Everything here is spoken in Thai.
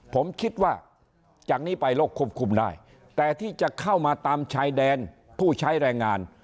ผมคิดว่าจากนี้ไปโรคควบคุมได้แต่ที่จะเข้ามาตามชายแดนผู้ใช้แรงงาน